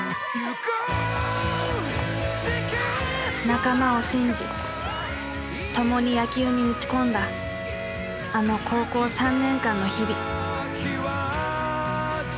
仲間を信じ共に野球に打ち込んだあの高校３年間の日々。